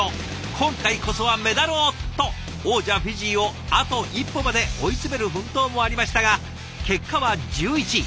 今回こそはメダルを！と王者フィジーをあと一歩まで追い詰める奮闘もありましたが結果は１１位。